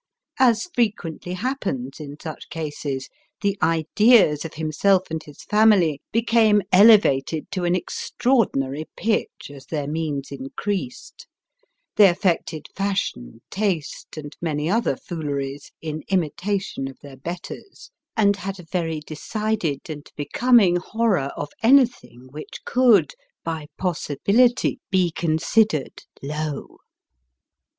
As frequently happens in such cases, the ideas of himself and his family became elevated to an extraordinary pitch as their means increased ; they affected fashion, taste, and many other fooleries, in imitation of their betters, and had a very decided and becoming horror of anything which could, by possibility, be considered low.